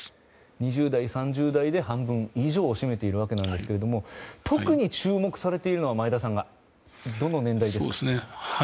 ２０代、３０代で半分以上を占めているわけなんですけれども特に前田さんが注目されているのはどの年代ですか。